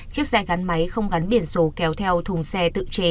chiếc xe gắn máy không gắn biển số kéo theo thùng xe tự chế